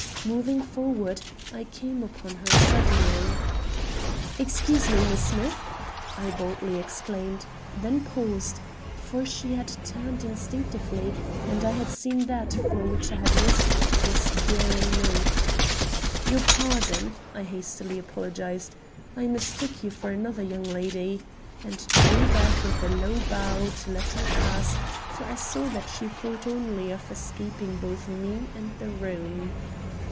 Moving forward, I came upon her suddenly. "Excuse me, Miss Smith," I boldly exclaimed; then paused, for she had turned instinctively and I had seen that for which I had risked this daring move. "Your pardon," I hastily apologized. "I mistook you for another young lady," and drew back with a low bow to let her pass, for I saw that she thought only of escaping both me and the room.